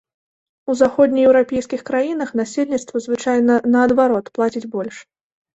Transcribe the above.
У заходнееўрапейскіх краінах насельніцтва звычайна наадварот плаціць больш.